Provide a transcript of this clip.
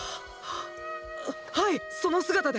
はいその姿で！